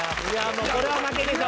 もうこれは負けでしょ。